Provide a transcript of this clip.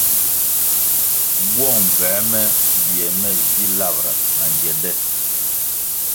Bwong mbvuē me bie ne zi labʼra na ngyende.